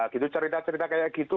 gitu cerita cerita kayak gitu